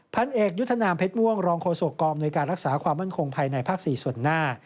พันเอกยุทธนามเพชรม่วงรองโฆษกองอำนวยการรักษาความมั่นคงภายในภาค๔ส่วนหน้า